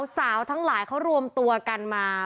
สาวทั้งหลายเขารวมตัวกันมา